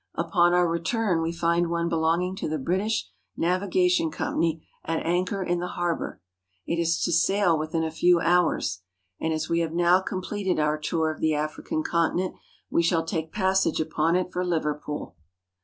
Upon our return, we find one belonging to the British A Navigation Company at anchor in the harbor. It is to sail within a few hours, and as we have now completed our tour of the African continent, we shall take passage upon it for Liverpool.